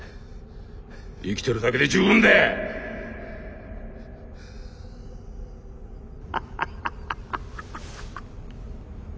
生きてるだけで十分だ！ハハハハハハハ。